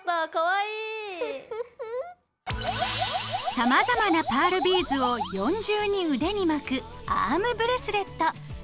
さまざまなパールビーズを４重に腕に巻くアームブレスレット。